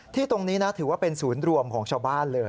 ตรงนี้นะถือว่าเป็นศูนย์รวมของชาวบ้านเลย